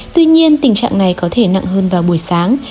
tuy nhiên tình trạng này có thể nặng hơn vào buổi sáng